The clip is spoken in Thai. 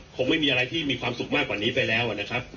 คงไม่มีอะไรที่มีความสุขมากกว่านี้ไปแล้วนะครับ